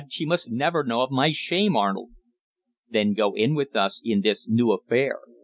she must never know of my shame, Arnold." "Then go in with us in this new affair.